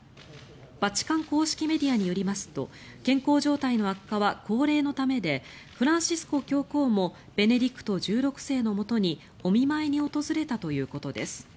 バチカン公式メディアによりますと健康状態の悪化は高齢のためでフランシスコ教皇もベネディクト１６世のもとにお見舞いに訪れたということです。